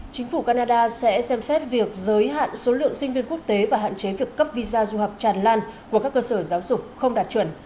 chính phủ canada sẽ xem xét việc giới hạn số lượng sinh viên quốc tế và hạn chế việc cấp visa du học tràn lan của các cơ sở giáo dục không đạt chuẩn